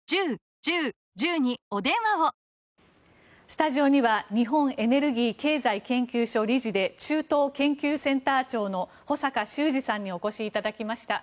スタジオには日本エネルギー経済研究所理事で中東研究センター長の保坂修司さんにお越しいただきました。